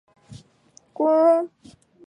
官婺源县知县。